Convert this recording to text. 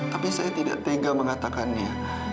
tapi saya tidak tega mengatakannya